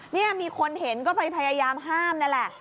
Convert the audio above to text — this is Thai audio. นี่มีคนเห็นก็ไปพยายามห้ามนั่นแหละ